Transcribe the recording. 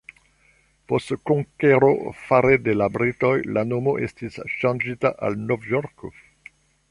Post konkero fare de la britoj la nomo estis ŝanĝita al Novjorko.